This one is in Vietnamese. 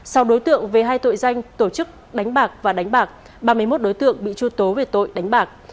sau đối tượng về hai tội danh tổ chức đánh bạc và đánh bạc ba mươi một đối tượng bị truy tố về tội đánh bạc